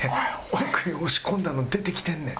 奥へ押し込んだのに出てきてんねん。